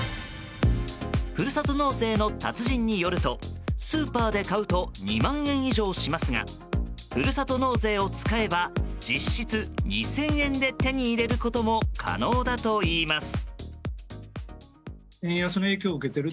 ふるさと納税の達人によるとスーパーで買うと２万円以上しますがふるさと納税を使えば実質２０００円で手に入れることも可能だといいます。